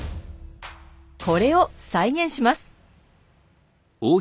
これを再現します。